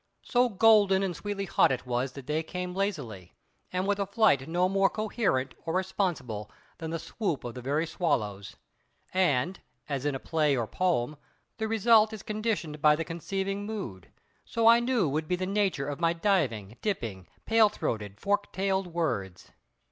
So golden and sweetly hot it was, that they came lazily, and with a flight no more coherent or responsible than the swoop of the very swallows; and, as in a play or poem, the result is conditioned by the conceiving mood, so I knew would be the nature of my diving, dipping, pale throated, fork tailed words.